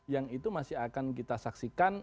yang itu masih akan kita saksikan